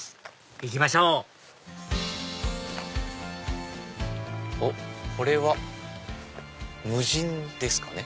行きましょうおっこれは無人ですかね。